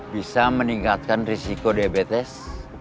bisa meningkatkan risiko diabetes